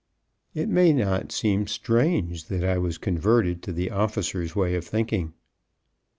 It may not seem strange that I was converted to the officer's way of thinking.